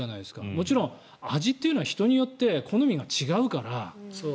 もちろん味っていうのは人によって好みが違うから。